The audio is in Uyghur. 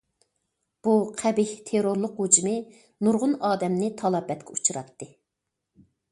بۇ قەبىھ تېررورلۇق ھۇجۇمى نۇرغۇن ئادەمنى تالاپەتكە ئۇچراتتى.